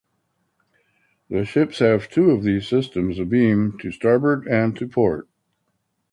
The ships have two of these systems abeam to starboard and to port.